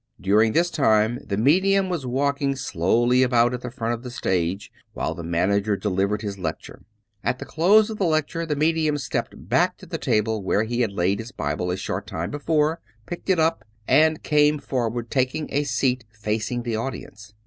During this time the medium was walking slowly about at the front of the stage while the manager delivered his 269 Trm Stories of Modern Magic lecture. At the close of the lecture the medium stepped back to the table where he had laid his Bible a short time before, picked it up and came forward taking a seat facing the audience.